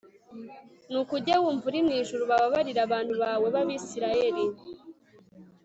nuko ujye wumva uri mu ijuru, ubabarire abantu bawe b'abisirayeli